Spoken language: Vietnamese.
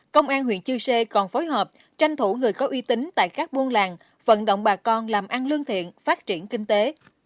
công an huyện chư sê còn phối hợp tranh thủ người có uy tín tại các buôn làng vận động bà con làm ăn lương thiện phát triển kinh tế